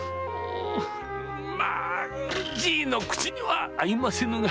まあじいの口には合いませぬが。